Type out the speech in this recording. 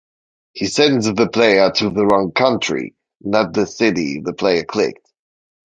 He sends the player to the wrong country, not the city the player clicked.